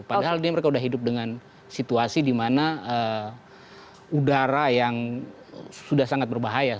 padahal mereka sudah hidup dengan situasi di mana udara yang sudah sangat berbahaya